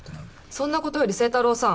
そんな事より星太郎さん。